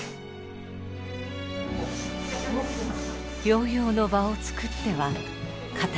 療養の場を作っては片付ける。